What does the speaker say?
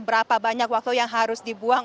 berapa banyak waktu yang harus dibuang